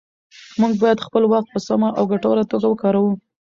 موږ باید خپل وخت په سمه او ګټوره توګه وکاروو